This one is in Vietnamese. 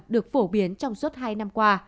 được phổ biến trong suốt hai năm qua